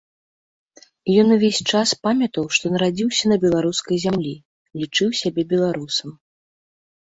Ён увесь час памятаў, што нарадзіўся на беларускай зямлі, лічыў сябе беларусам.